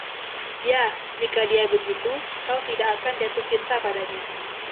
Ya, jika dia begitu, kau tidak akan jatuh cinta padanya.